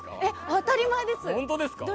当たり前ですよ。